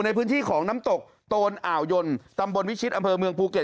ในพื้นที่ของน้ำตกโตนอ่าวยนตำบลวิชิตอำเภอเมืองภูเก็ต